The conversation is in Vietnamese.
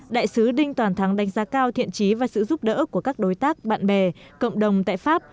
đại sứ đinh toàn thắng đánh giá cao thiện trí và sự giúp đỡ của các đối tác bạn bè cộng đồng tại pháp